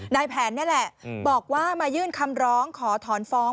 นายแผนนี่แหละบอกว่ามายื่นคำร้องขอถอนฟ้อง